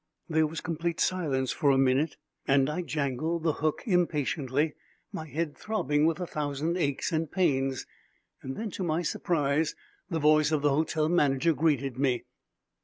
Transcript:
There was complete silence for a minute and I jangled the hook impatiently, my head throbbing with a thousand aches and pains. Then, to my surprise, the voice of the hotel manager greeted me.